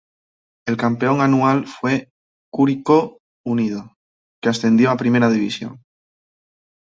El campeón anual fue Curicó Unido, que ascendió a Primera División.